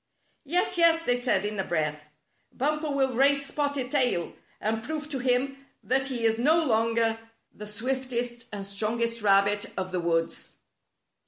"Yes, yes,'' they said in a breath, "Bumper will race Spotted Tail, and prove to him that he is no longer the swiftest and strongest rabbit of the woods."